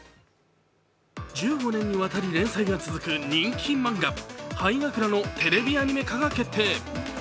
１５年にわたり連載が続く人気漫画「ハイガクラ」のテレビアニメ化が決定。